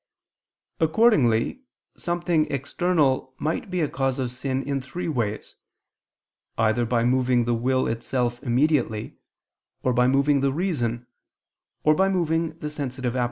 Accordingly something external might be a cause of sin in three ways, either by moving the will itself immediately, or by moving the reason, or by moving the sensitive appetite.